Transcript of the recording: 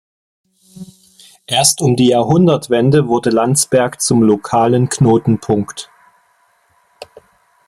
Erst um die Jahrhundertwende wurde Landsberg zum lokalen Knotenpunkt.